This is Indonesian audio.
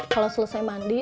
kalau selesai mandi